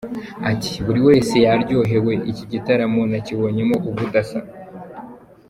Ati “…buri wese yaryohewe, iki gitaramo nakibonyemo ubudasa.